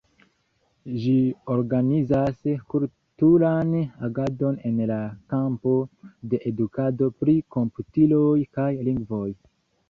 Ĝi organizas kulturan agadon en la kampo de edukado pri komputiloj kaj lingvoj.